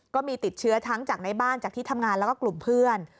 ก็มีติดเชื้อทั้งจากในบ้านจากที่ทำงานแล้วก็กลุ่มเพื่อน